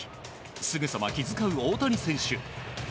すぐさま気遣う大谷選手。